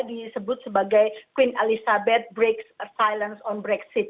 disebut sebagai queen elizabeth breaks silence on brexit